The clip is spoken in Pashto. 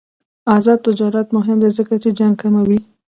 آزاد تجارت مهم دی ځکه چې جنګ کموي.